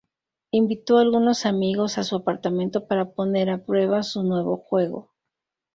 Invitó a algunos amigos a su apartamento para poner a prueba su nuevo juego.